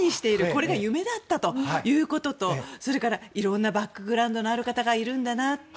これが夢だったということとそれから、いろんなバックグラウンドのある方がいるなと。